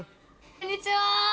こんにちは！